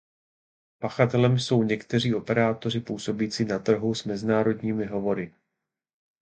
Pachatelem jsou někteří operátoři působící na trhu s mezinárodními hovory.